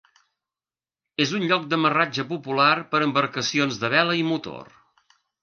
És un lloc d'amarratge popular per a embarcacions de vela i motor.